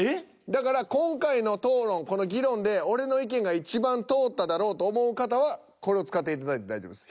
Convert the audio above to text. だから今回の討論この議論で俺の意見がいちばん通っただろうと思う方はこれを使っていただいて大丈夫です。